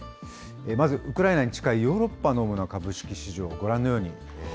まずウクライナに近いヨーロッパのほうの株式市場、ご覧のように。